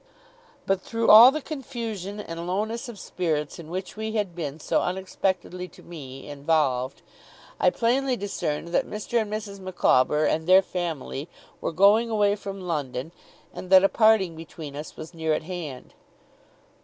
But through all the confusion and lowness of spirits in which we had been, so unexpectedly to me, involved, I plainly discerned that Mr. and Mrs. Micawber and their family were going away from London, and that a parting between us was near at hand.